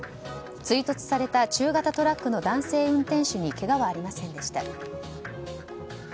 追突された中型トラックの男性運転手にけがはありませんでした。